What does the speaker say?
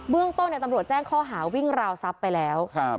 เรื่องต้นเนี่ยตำรวจแจ้งข้อหาวิ่งราวทรัพย์ไปแล้ว